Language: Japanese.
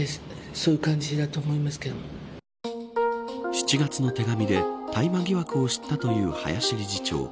７月の手紙で大麻疑惑を知ったという林理事長。